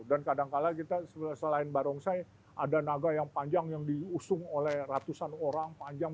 kadangkala kita selain barongsai ada naga yang panjang yang diusung oleh ratusan orang panjang